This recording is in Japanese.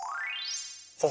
さあ